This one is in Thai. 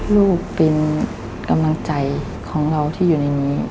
ลูกเป็นกำลังใจของเราที่อยู่ในนี้